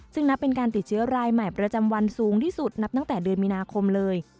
ซึ่งนับเป็นการติดเชื้อรายใหม่ประจำวันสูงที่สุดนับตั้งแต่เดือนมีนาคมเลย